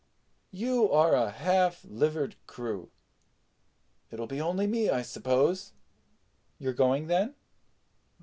You are a half livered crew. It'll be only me, I suppose." "You're going, then?"